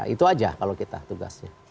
itu aja kalau kita tugasnya